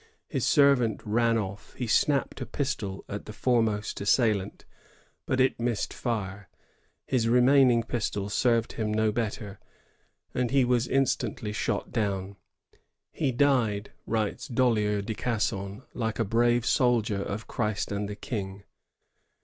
His servant ran off. He snapped a pistol at the foremost assailant, but it missed fire. His remaining pistol served him no better, and he was instantly shot down. "He died," writes Dollier de Gasson, "like a brave soldier of Christ and the King."